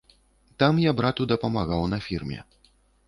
Там я брату дапамагаў на фірме.